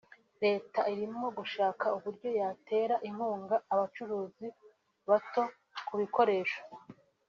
leta irimo gushaka uburyo yatera inkunga abacukuzi bato ku bikoresho